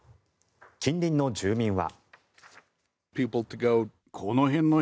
近隣の住民は。